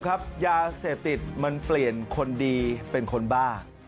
ยาเสพติดมันเปลี่ยนคนดีเป็นคนบ้า